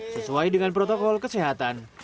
sesuai dengan protokol kesehatan